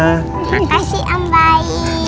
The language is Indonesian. makasih om baik